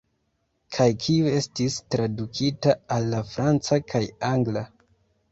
Kaj kiu estis tradukita al la franca kaj angla.